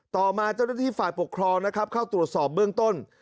ต่อมาเจ้าหน้าที่ฝ่ายปกครองนะครับเข้าตรวจสอบเบื้องต้น